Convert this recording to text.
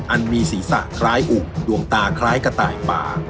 อันมีศีรษะคล้ายอุกดวงตาคล้ายกระต่ายป่า